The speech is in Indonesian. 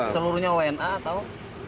seluruhnya wna atau